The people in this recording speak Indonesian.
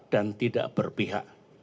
dan tidak berpihak